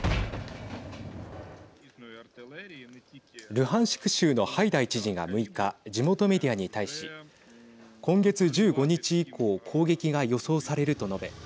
ルハンシク州のハイダイ知事が６日、地元メディアに対し今月１５日以降攻撃が予想されると述べ